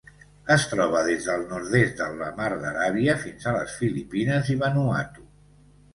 Es troba des del nord-est de la Mar d'Aràbia fins a les Filipines i Vanuatu.